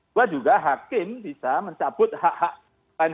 buat juga hakim bisa mencabut hak hak lain